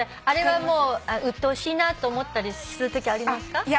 あれはもううっとうしいなと思ったりするときありますか？